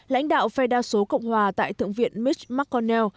lãnh đạo phe đa số cộng hòa tại thượng viện miss mcconnell